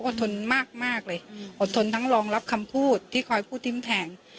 ทนมากเลยอดทนทั้งรองรับคำพูดที่คอยพูดทิ้มแทง